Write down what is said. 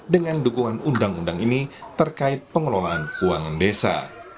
dengan dukungan undang undang ini terkait pengelolaan keuangan desa